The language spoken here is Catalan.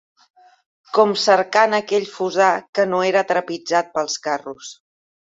Com cercant aquell fossar que no era trepitjat dels carros